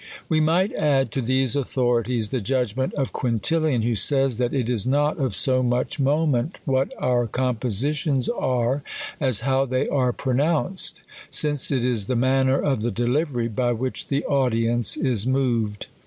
We might add to these authorities the judgment of Quintilian j who says, that " It is not of so much mo ment THE COLUMBIAN ORATOR. & inent what our compositions are, as how they are pro nounced ; since it is the manner of the delivery, hy which the audience is moved."